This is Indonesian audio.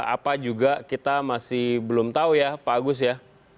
apa juga kita masih belum tahu ya pak agus ya